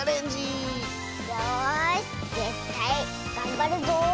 よしぜったいがんばるぞ！